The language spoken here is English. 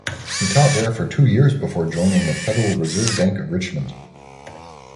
He taught there for two years before joining the Federal Reserve Bank of Richmond.